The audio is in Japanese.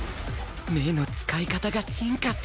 目の使い方が進化してるね！